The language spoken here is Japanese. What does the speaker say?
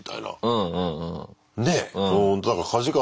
うん。